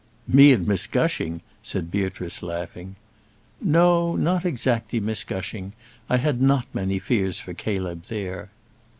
"Me and Miss Gushing," said Beatrice, laughing. "No; not exactly Miss Gushing. I had not many fears for Caleb there."